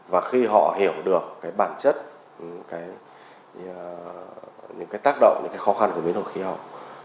và khi họ hiểu được cái bản chất những cái tác động những cái khó khăn của biến đổi khí hậu